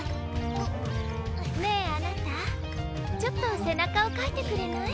ねえあなたちょっとせなかをかいてくれない？